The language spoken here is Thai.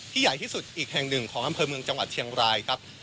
ใหญ่ที่สุดอีกแห่งหนึ่งของอำเภอเมืองจังหวัดเชียงรายครับ